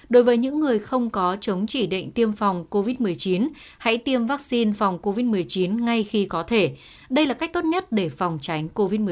đối với những người không có chống chỉ định tiêm phòng covid một mươi chín hãy tiêm vaccine phòng covid một mươi chín ngay khi có thể đây là cách tốt nhất để phòng tránh covid một mươi chín